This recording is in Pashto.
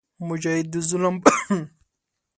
مجاهد د ظلم پر وړاندې ودریږي.